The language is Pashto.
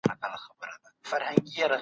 تعليم د شخصيت وده کوي.